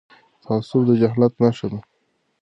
تعصب د جهالت نښه ده..